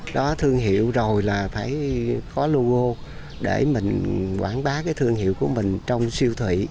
đó thương hiệu rồi là phải có logo để mình quảng bá cái thương hiệu của mình trong siêu thị